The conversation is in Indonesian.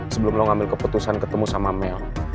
sebelum lo ngambil keputusan ketemu sama mel